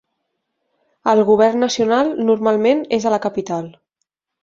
El govern nacional normalment és a la capital.